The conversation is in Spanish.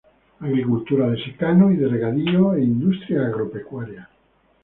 Agricultura de secano y de regadío e industria agropecuaria.